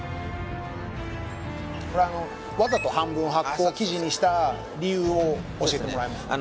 これあのわざと半分発酵生地にした理由を教えてもらえますか？